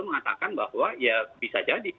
mengatakan bahwa ya bisa jadi